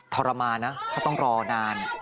ทรมานนะถ้าต้องรอนาน